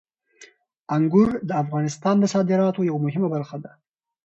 انګور د افغانستان د صادراتو یوه مهمه برخه ده.